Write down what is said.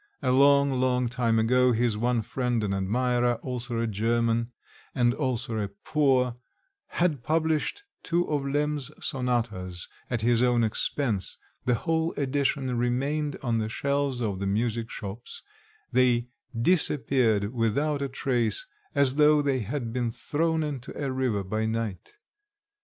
A long, long time ago, his one friend and admirer, also a German and also poor, had published two of Lemm's sonatas at his own expense the whole edition remained on the shelves of the music shops; they disappeared without a trace, as though they had been thrown into a river by night.